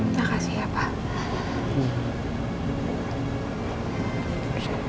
makasih ya pak